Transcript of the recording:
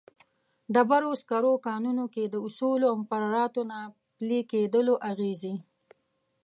ډبرو سکرو کانونو کې د اصولو او مقرراتو نه پلي کېدلو اغېزې.